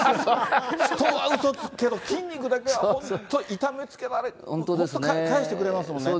人はうそつくけど、筋肉だけは本当、痛めつけられて、本当、返してくれますもんね。